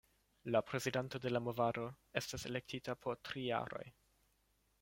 La prezidanto de la movado estas elektita por tri jaroj.